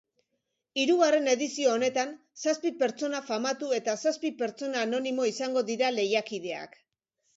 Hirugarren edizio honetan zazpi pertsona famatu eta zazpi pertsona anonimo izango dira lehiakideak.